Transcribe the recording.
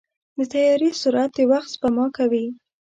د طیارې سرعت د وخت سپما کوي.